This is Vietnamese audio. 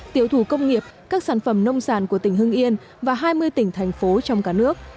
tiểu thủ công nghiệp các sản phẩm nông sản của tỉnh hưng yên và hai mươi tỉnh thành phố trong cả nước